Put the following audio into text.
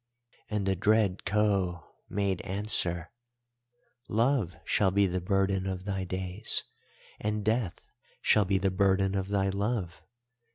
"And the dread Khou made answer: 'Love shall be the burden of thy days, and Death shall be the burden of thy love.